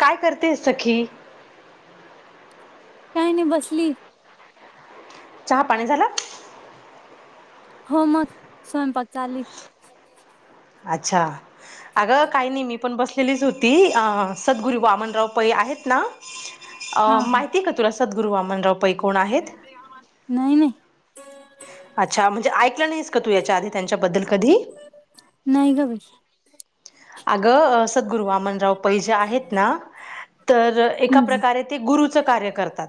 काय करते सखी? काय नाही बसली. चहा पाणी झाला? हो मग, स्वयंपाक चालू ए. अच्छा. आगं काही नाही, मी पण बसलेलीच होती. आ सद्गुरु वामनराव पै आहेत ना? अ हा हा माहिती आहे का तुला, सद्गुरु वामनराव पै कोण आहेत? नाही नाही. अच्छा म्हणजे ऐकलं नाहीस का? तू याच्या आधी त्यांच्याबद्दल कधी? नाही ग बाई! आग सद्गुरु वामनराव पै जे आहेत ना? तर एका हम्म प्रकारे ते गुरु गुरूच कार्य करतात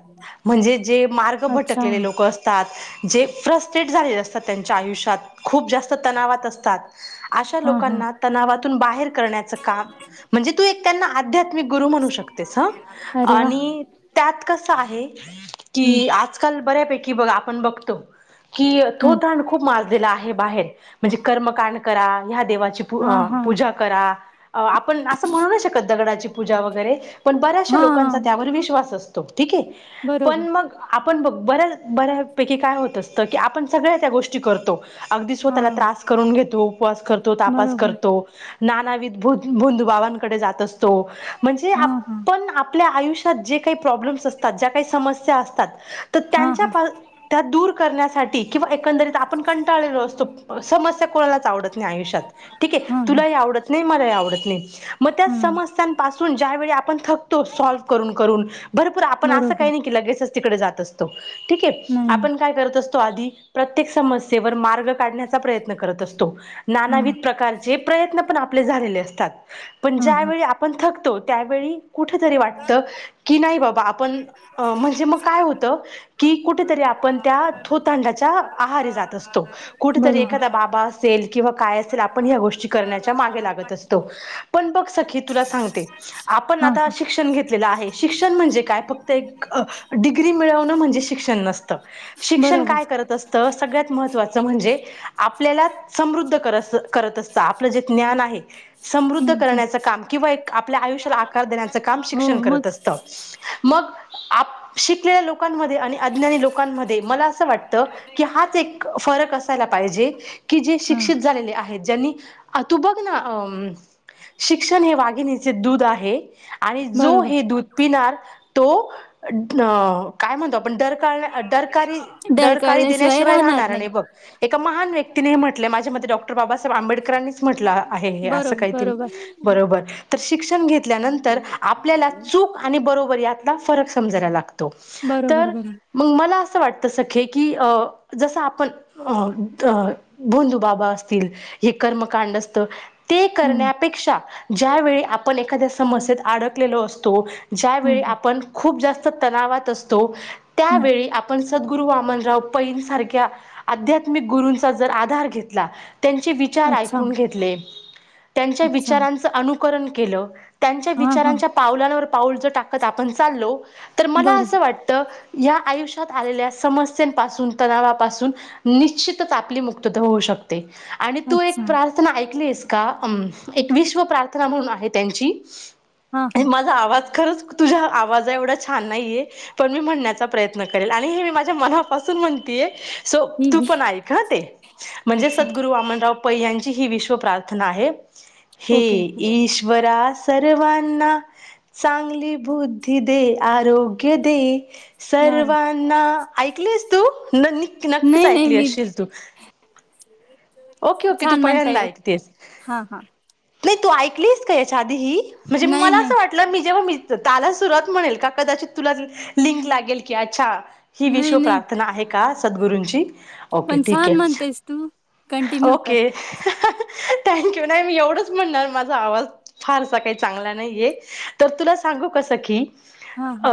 म्हणजे जे मार्ग अच्छा भटकलेले लोक असतात जे फ्रस्ट्रेट झालेले असतात, त्यांच्या आयुष्यात खूप जास्त तणावात असतात. अशा हा हा लोकांना तणावातून बाहेर करण्याच काम म्हणजे तू एक त्यांना आध्यात्मिक गुरु म्हणू शकतेस हं अरे वा आणि त्यात कस आहे हम्म की आजकाल बऱ्यापैकी बगा आपण बघतो की हम्म थोथांड खूप माजलेला आहे बाहेर म्हणजे कर्मकांड करा ह्या देवाची पू हा अ हा पूजा करा अ आपण असं म्हणू शकत दगडाची पूजा वगैरे पण बऱ्याचशा हा हा लोकांचा त्यावर विश्वास अस ठीक आहे पण बरोबर मग आप आपण ब बऱ्याच बऱ्यापैकी काय होत असत की आपण सगळ्या त्या गोष्टी करतो. अगदी हा स्वतःला त्रास करून घेतो. उपवास करतो. तापास बरोबर करतो. नाना विदत्भुत भोदुबाबांकडे जात असतो म्हणजे हा हा आपण आप ल्या आयुष्यात जे काही प्रॉब्लेम्स असतात ज्या काही समस्या असतात. त हा त्यांच्या हा फ दूर करण्यासाठी किंवा एकंदरीत आपण कंटाळलो असतो अस म अस कुणालाच आवडत नाही आयुष्यात ठीक ये हा हा तुलाही आव डत नाही मलाही आवडत नाही म त्यांच हा समस्यानं पासून ज्यावेळी आपण थक तो सॉल्व करून करून बरं पण आपण असं बरोबर काही नाही की लगेच तिकडे जात असतो. ठीकये नाही नाही आपण काय करत अस तो आधी प्रत्येक समस्येवर मार्ग काढण्याचा प्रयत्न करत असतो हा नाना वितप्रकारचे प्रयत्न पण आपले झालेले असतात पण हा हा ज्यावेळी आपण थकतो त्यावेळी कुठं तरी वाटत की नाही बाबा आपण अ म्हणजे मग काय होत की कुठेतरी आ आपण त्या थोतांडाच्या आहारी जात असतो कुठेतरी बरोबर एखादा बाबा असेल किंवा काय अस ल आपण हया गोष्टी करण्याची मागे लागत असतो पण बघ सखी तुला सांगते आपण हा आता हा शिक्षण घेत लेल आहे शिक्षण म्हणजे काय फक्त एक अ डिग्री मिळवणं म्हणजे शिक्षण नसतं शि क्षण बरोबर काय करत असतं सगळ्यात महत्वाच म्हणजे आपल्याला समृद्ध करस करत असत आपलं जे ज्ञान आहे समृद्ध हम्म हम्म करण्याच काम किंवा एक आपल्या आयुष्याला आकार देण्याच काम हो शिक्षण मग करत असत. मग आप शिक लेल्या लोकांमध्ये आणि अज्ञानी लोकांमध्ये मला असं वाटतं की हाच एक फरक असायला पाहिजे त की जे हा शिक्षित झालेले आहेत ज्यांनी हा तू बघ ना अ शिक्षण हे वाघिणीचे दूध आहे. आणि जो बरोबर हे दूध पिणार तो काय म्हणतो आपण डर का डरकारी डरकाळी धडकळल्याशिवाय देण्याशिवाय राहणार नाही आणि बघ एक का महान व्यक्तीने म्हटलय माझ्या मते डॉक्टर बाबासाहेब आंबेडकरांनीचं म्हटल आहे हे अस बरोबर काहीतरी बरोबर बरोबर तर शिक्षण घेत तल्या नंतर आपल्याला चूक आणि बरोबर यातला फरक समजायला लाग तो बरोबर, टर बरोबर. मंग मला अस वाटत सखे की अ जसं आपण अ त भोदुबाबा असतील हे कर्मकांड असत ते हं, करण्यापेक्षा ज्यावेळी आपण एखाद्या समस्येत अडकलेलो असतो हं, ज्यावेळी हं. आपण खूप जास् त तणावात असतो हं. त्यावेळी आपण सद्गुरु वामनराव पैन सारख्या आध्यात्मिक गुरूंचा जर आधार घेतला. त्यांचे विचार ऐक अच्छा, ले त्यांच्या अच्छा. विचारांच अनुकरण केलं त्यांच्या हां, हां. विचारांच्या पावलांवर पाऊल जर टाकत आपण चाललो तर मला बरोबर. असं वाटत या आयुष्यात आलेल्या समस्यांपासून तणावापासून निश्चितच आपली मुक्तता होऊ शकते. आणि तू अच्छा. एक प्रार्थना ऐकलीस का अं एक विश्व प्रार्थना म्हणून आहे त्यांची हां, आणि हां. माझा आवाज खरंच तुझ्या आवाज एवढा छान नाहीये पण मी म्हणण्याचा प्रयत्न करेल आणि हे मी माझ्या मनापासून म्हण ते सो हं, पण हं. ऐक ते म्हणजे अच्छा. सदगुरु वामनराव पैयांची ही विश्व प्रार्थना आहे हे ओके, ओके. ईश्वरा सर्वांना चांगली बुद्धी दे आरोग्य दे. वाह, वाह! सर्वांना ऐकलेस तू न न नक्कीच नाही, नाही. ऐकली मी असशेील तू ओके ओके तू छान म्हणताय. पहिल्यांदा ओके. ऐकतेस. हां, हां. नाही तू ऐकलीस का याच्या आधी ही म्हणजे नाही, मला नाही. असं वाटलं मी जेव्हा ताला सुरुवात म्हणेल का कदाचित तुला लिंक लागेल की अच्छा. ही नाही, विश्व नाही. प्रार्थना आहे का सद्गुरूंची ओके पण ठीक छान आहे. म्हणतेस तू. कंटिन्यू कर. ओके. थैकू नाही मी एवढच म्हणणार माझा आवाज फारसा काही चांगला नाहीये तर तुला स सांगु कस की हां, हां. अ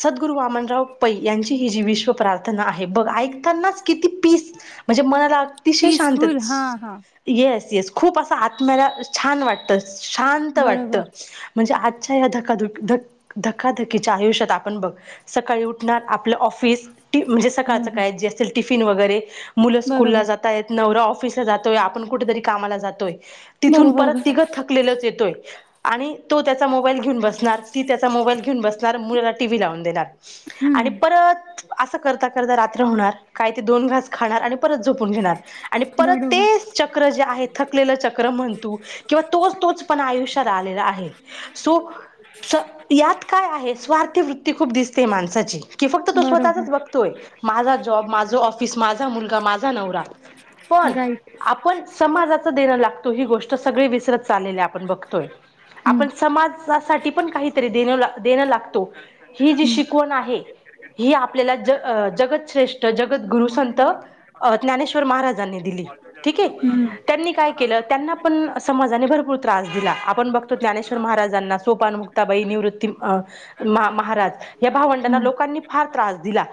सद्गुरु वामनराव पै यांची ही जी विश्व प्रार्थना आहे. हे बघ ऐकतांनाच किती पीस म्हणजे मनाला अतिशय शांत. पीसफुल. हां, हां. खूप अस आत्म्याला छान वाटत शांत वाटत बरोबर, म्हणजे ध धकाधकीच्या आयुष्यात आपण बघ सकाळी उठणार आपलं ऑफिस ती म्हणजे सकाळचं बरोबर, काय जे असतील टिफिन वगैरे मुलं स्कूलला बरोबर, जात. य नवरा ऑफिस ला जातोय आपण कुठेतरी कामाला जातोय. तिथून बरोबर, परत तिघ बरोबर. थकलेलच येतोय आणि तो त्या मोबाईल घेऊन बसणार ती त्याचा मोबाईल घेऊन बसणार मुला ला टीव्ही लावून. देणार आणि हं. परत अस करता करता रात्र होणार. काय ते दोन घास खाणार आणि परत झोपून घेणार आणि परत ते बरोबर, चक्र जे आहे. थकलेलं चक्र म्हणतू किंवा तोच तोच पणा आयुष्यात आलेला आहे सो. यात काय आहे स्वार्थी वृत्ती खूप दिसते माणसाची की फक्त तो स्वतःचाच बरोबर. बघतोय माझा जॉब माझा ऑफिस माझा मुलगा माझा नवरा. पण राइट. आपण समाजाचं देणं लागतो ही गोष्ट सगळे विसरत चाललेली आपण बघतोय. हं. सा पण काहीतरी देन लागतो ही जी हं, शिकवण आहे. ही आपल्याला ज जगश्रेष्ठ जगतगुरु संत ज्ञानेश्वर महाराजांनी दिली ठीके हं, त्यांनी काय केलं त्यांना पण समाजाने भरपूर त्रास. दिला आपण बघतो ज्ञानेश्वर महाराजांना सोपान मुक्ताबाई निवृत्ती महाराज या भावंडांना हं. लोकांनी फार त्रास दिला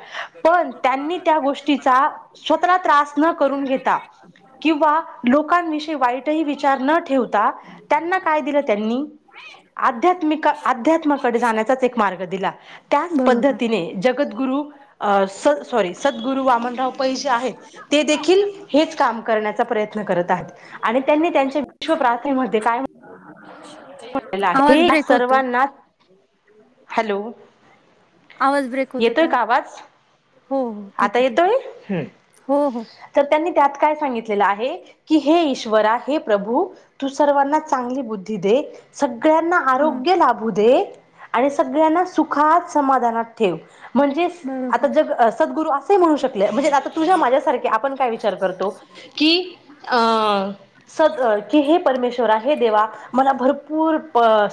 पण त्यांनी त्या गोष्टीचा स्वताला त्रास. न करून घेता. किंवा लोकांविषयी वाईटही विचार न ठेवता त्यांना काय दिलं त्यांनी अध्यात्मिक अध्यात्माकडे जाण्याचाच एक मार्ग दिला त्याच बरोबर. पद्धतीने जगद्ग गुरु सॉरी सद्गुरु वामनराव पै जे आहेत. ते देखील हेच काम करण्याचा प्रयत्न करत आहेत आणि त्यांनी त्यांच्या विश्व प्रार्थनेमध्ये काय? आहे आवाज ब्रेक होतोय. सर्वांना हॅलो. आवाज ब्रेक होत येतोय होता. का आवाज हो हो ठीक आता आहे ठीक आहे येतोय हो हो तर त्यांनी त्यात. काय सांगितले आहे की हे ईश्वरा हे प्रभू तू सर्वांना चांगली बुद्धी दे सगळ्यांना बर आरोग्य लाभू दे. आणि सगळ्यांना सुखात समाधानात ठेव. म्हणजे आता बरोबर जग सद्गुरु असे म्हणू शकले म्हणजे आता तुझ्या माझ्यासारखे आपण काय विचार करतो. कि अ स की हे परमेश्वरा हे देवा मला भर पूर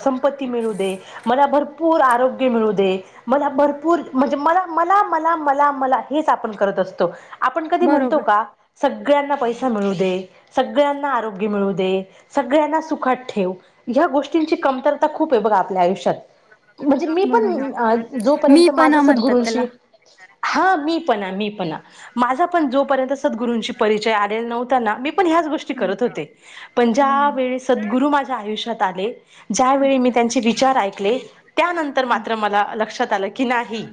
संपत्ती मिळू दे मला भरपूर आरोग्य मिळू दे मला भरपूर. म्हणजे मला मला मला मला मला हेच आपण करत असतो आपण कधी म्हणतो बरोबर का स सगळ्यांना पैसा मिळू दे सगळ्यांना आरोग्य मिळू दे सगळ्यांना सुखात ठेव. ची [unintelligible] कमतरता खूप आहे ब आपल्या आयुष्यात म्हणजे मी पण बरोबर मी जोपर्यंत माझ पण म्हणतात त्याला सदगुरूशी हा मी पण मी पण माझा पण जोपर्यंत सद्गुरूंशी परिचय आलेला नव्हताना मी पण ह्याच गोष्टी करत हा होते पण ज्या हा वेळी सदगुरु माझ्या आयुष्यात ज्यावेळी मी अच्छा त्यांचे विचार ऐकले त्यानंतर मात्र मला लक्षात आलं की नाही.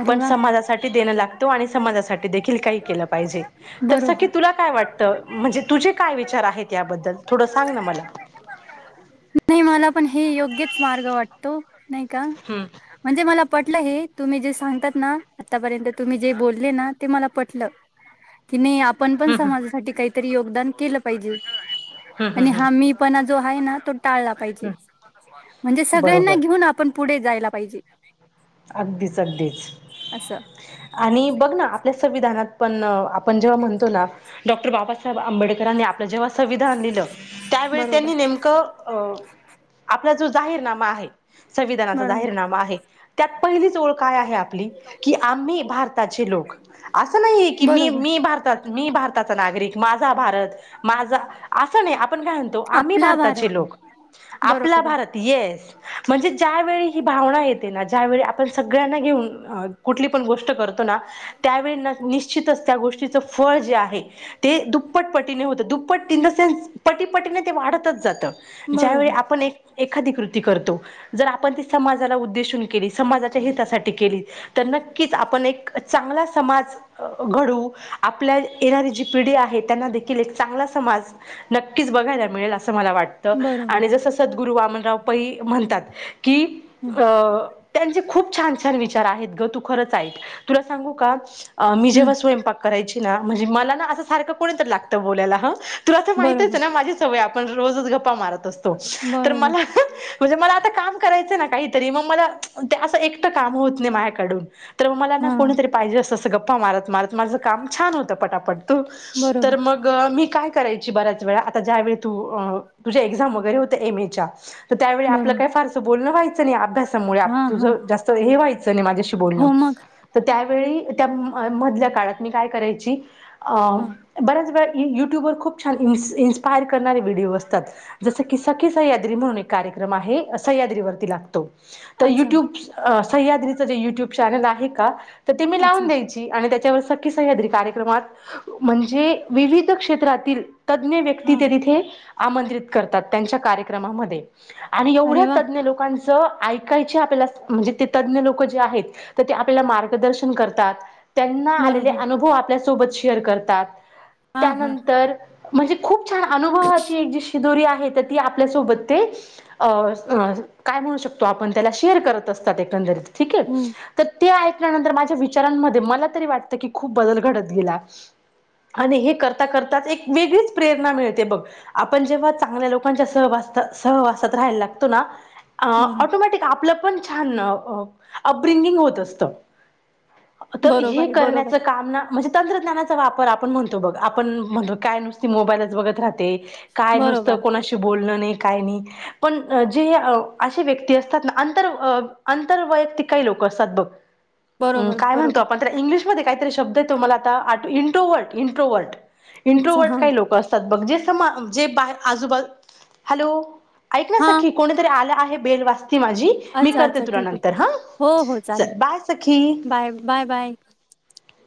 अरे वा समाजासाठी देणं लागतो आणि समाजासाठी दे काही केलं पायजे. तर सखे बरोबर तुला काय वाटतं, म्हणजे तुझे काय विचार आहेत याबद्दल थोडं सांग ना मला. नाही मला पण हे योग्यच मार्ग वाटतो, नाही का? हम्म म्हणजे मला पटलं हे. तुम्ही जे सगतात ना, आतापर्यंत तुम्ही जे बोलले ना ते मला पटलं. की नाही आपण पण हम्म समाजासाठी काहीतरी योगदान केलं पाहिजे. हम्म हम्म आणि हम्म हा हम्म. मी पना जो हाय ना तो टाळला पाहिजे. म्हणजे सगळ्यांना बरोबर घेऊन आपण पुढे जायला पाहिजे. अगदीच अगदीच असं आणि बघ ना आपल्या संविधानात पण आ आपण जेव्हा म्हणतो ना, डॉक्टर बाबासाहेब आंबेडकरांनी आप जेव्हा संविधान लिहिलं, त्यावेळी बरोबर त्यांनी नेमकं आपला जो जाहीरनामा आहे, संविधानाचा बरोबर जाहीरनामा आहे. त्यात पहिलीच ओळ काय आहे आपली. की आम्ही भारताचे लोक, असं नाही आहे की मी बरोबर मी भारतात. मी भारताचा नागरिक, माझा भारत, माझ. असं नाही आपण काय म्हणतो, आम्ही भारत ताचे लोक. आपला बरोबर भारत एस म्हणजे ज्या ती भावना येते ना ज्यावेळी आपण सगळ्यांना घेऊन कुठली पण गोष्ट करतो ना. त्यावेळी निश्चितच त्या गो तिचं फळ जे आहे, ते दुप्पटपटीने होत. दुप्पट इन द सेन्स पटीपटीने ते वाढतच जात. ज्या वेळी बरोबर आपण ऐक एखादी कृती करतो. जर आपण समाजाला उद्देशून समाज्याच्या हितासाठी केली. तर नक्की आपण एक चांगला समाज घडवू आपल्या येणारी जी पिढी आहे त्यांना देखील एक चांगला समाज नक्कीच बघायला मिळेल असं मला वाटतं, बरोबर आणि जसं सदगुरु वामनराव पई म्हणतात की हम्म अ. म्हणजे खूप छान-छान विचार आहेत ग. तू खरच आईक. तुला सांगू का मी जेव्हा हम्म स्वयंपाक करायची ना. म्हणजे मला ना असं सारखं कोणी तर लागतं बोलायला ह. तुला तर माहितेच बरोबर ना माझी सवय. आपण रोजच गप्पा मारत असतो. तर बरोबर मला म्हणजे मला आता काय काम करायचं ना काहीतरी. मग मला ते असं एकटं काम होत नाही मायाकडून. तर मग मला ना हा कोणीतरी पाहिजे असतं. गप्पा मारत-मारत माझ काम छान होतं पटापट तू तर बरोबर तर मग मी काय करायची बऱ्याच वेळा आता ज्या वेळी तुझ्या एक्झाम वगैरे होत्या एम. ए. च्या. तर त्यावेळी आपल बरोबर बोलणं वगैरे काही व्हायचं नाहीं अभ्यास हा भ्यास तुझ हा जास्त हे व्हायचं नाहीं. माझ्याशी बोलणं. हो मग तर त्यावेळी त्या मधल्या काळात मी काय करायची. अ हा ई. यू युट्यूब वर खूप छान इन्स्पायर करणारे व्हिडिओ असतात. जसं की सखी सयाद्री म्हणून एक कार्यक्रम आहे. हे असं सयाद्रीवरती लागतो. अच्छा. अ सयाद्रीच जे यूट्यूब चॅनेल आहे का. ते तेमी अच्छा लाऊन द्यायची आणि त्या सखी सह्याद्री कार्यक्रमात म्हणजे विविध क्षेत्रातील तज्ञ व्यक्ती हा ते तिथे आमंत्रित करतात. त्यांच्या कार्यक्रमामध्ये. आणि अरे एवढ्या वा तज्ञ लोकांचं ऐकायचं. म्हणजे ते तज्ञ लोक जे आहेत. तर आपल्याला मार्गदर्शन करतात. त्यांना आलेले बरोबर अनुभव आपल्यासोबत शेअर करतात. हा हा त्यानंतर म्हणजे खूप. छान अनुभवाची जी शिदोरी आहे. आपल्या सोबत ते काय म्हणू शकतो आपन. त्याला शेअर करत असतात. एकंदरीत ठीकये हम्म तर. माझ्या विचारांमध्ये मला तरी वाटत की खूप बदल घडत गेला. आणि हे करता करताच एक वेगळीच प्रेरणा मिळते बघ. आपण जेव्हा चांगल्या लोकांच्या सहवासात. सहवासात राहायला लागतो ना ऑटोमॅटिक आपलं पण छान अपब्रिंगिंग होत असत. तर हे बरोबर बरोबर करण्याच आहे काम ना म्हणजे. तंत्रज्ञानाचा वापर आपण म्हणतो बघ. आपण म्हणतो काय नुसती मोबाईलच बघत राहते. काय नुसतं बरोबर बरोबर कोणाशी बोलणं नाही काय नाही पण जे असे व्यक्ती असतात ना अंतर अंतरवयंक्तिक काही लोक असतात बघ बरोबर काय म्हणतो बरोबर आपण इंग्लिश काहीतरी शब्द आहे तो मला आता इंट्रोवर्ट इंट्रोवर्ट अच्छा इंट्रोवर्ट हा काही लोक असतात बघ जे जे बाहेर आजूबाजू हॅलो ऐक ना हा सखी कोणीतरी आला आहे बेल वाजते माझी मी अच्छा करते अच्छा तुला ठीक आहे नंतर हा हो हो चालेल चल बाय सखी बाय बाय बाय ह [inaudible]